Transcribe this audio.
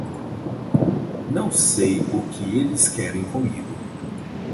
Não sei o que eles querem comigo